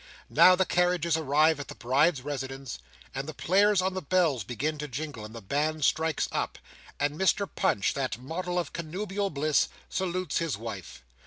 Now, the carriages arrive at the Bride's residence, and the players on the bells begin to jingle, and the band strikes up, and Mr Punch, that model of connubial bliss, salutes his wife.